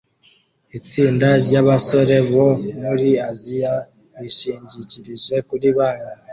Itsinda ryabasore bo muri Aziya bishingikirije kuri bank